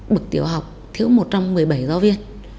bậc tiểu học thiếu một trăm một mươi bảy giáo viên